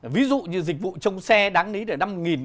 ví dụ như dịch vụ trong xe đáng lý là năm một mươi